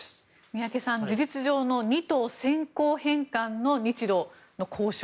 宮家さん、事実上の２島先行返還の日ロの交渉。